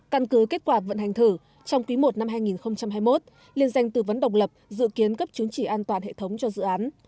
căn cứ kết quả vận hành thử trong quý i năm hai nghìn hai mươi một liên danh tư vấn độc lập dự kiến cấp chứng chỉ an toàn hệ thống cho dự án